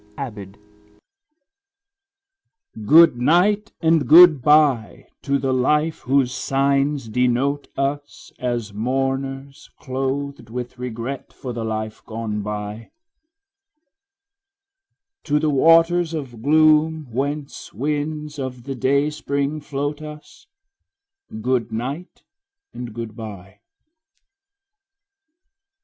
8 Autoplay I. Goodnight and goodbye to the life whose signs denote us As mourners clothed with regret for the life gone by; To the waters of gloom whence winds of the dayspring float us Goodnight and goodbye.